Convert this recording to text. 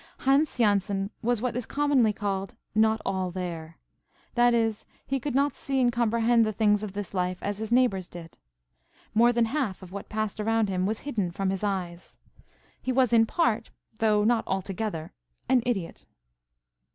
Hans Jansen was what is commonly called not all there; that is, he could not see and comprehend the things of this life as his neighbours did. More than half of what passed around him was hidden from his eyes. He was in part, though not altogether, an idiot.